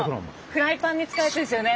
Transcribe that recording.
フライパンに使われてるんですよね。